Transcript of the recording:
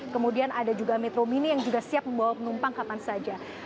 kemudian ada juga metro mini yang juga siap membawa penumpang kapan saja